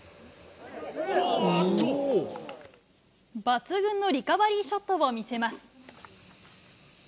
抜群のリカバリーショットを見せます。